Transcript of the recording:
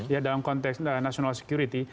ya dalam konteks national security